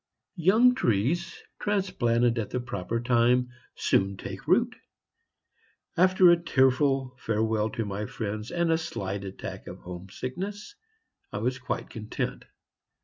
Young trees, transplanted at the proper time, soon take root. After a tearful farewell to my friends and a slight attack of home sickness, I was quite content.